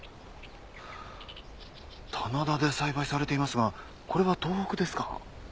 棚田で栽培されていますがこれは東北ですか？